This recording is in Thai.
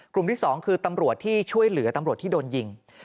ที่๒คือตำรวจที่ช่วยเหลือตำรวจที่โดนยิง